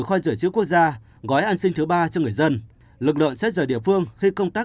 khoai rửa chứa quốc gia gói ăn xin thứ ba cho người dân lực lượng sẽ rời địa phương khi công tác